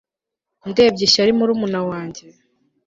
Ndebye ishyari murumuna wanjye